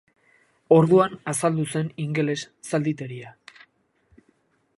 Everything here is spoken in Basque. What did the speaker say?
Orduan azaldu zen ingeles zalditeria.